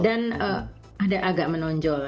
dan agak menonjol